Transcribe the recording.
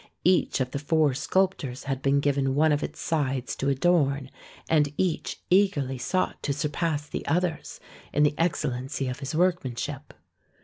Each of the four sculptors had been given one of its sides to adorn, and each eagerly sought to surpass the others in the excellency of his workmanship.